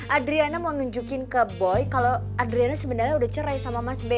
adriana mau nunjukin ke boy kalau adriana sebenarnya udah cerai sama mas b